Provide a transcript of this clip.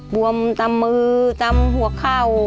บวมตามมือตำหัวเข่า